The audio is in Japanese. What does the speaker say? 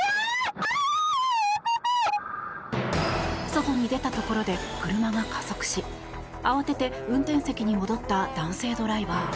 外に出たところで車が加速し慌てて運転席に戻った男性ドライバー。